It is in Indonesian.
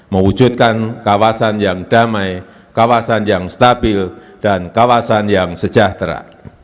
mewujudkan kawasan yang damai kawasan yang stabil dan kawasan yang sejahtera